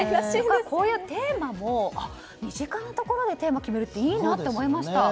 こういうテーマも身近なところで決めるのはいいなと思いました。